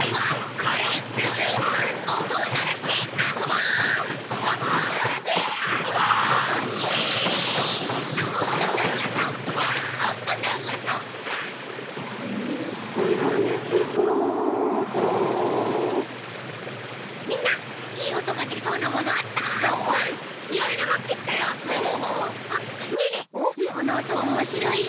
このおとおもしろいよ。